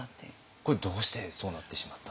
これどうしてそうなってしまったんですか？